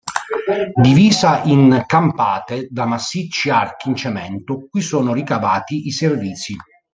Divisa in campate da massicci archi in cemento, qui sono ricavati i servizi.